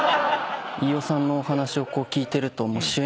飯尾さんのお話を聞いてると。